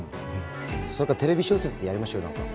それかテレビ小説でやりましょう何か。